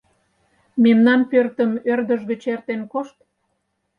Мемнан пӧртым ӧрдыж гыч эртен кошт!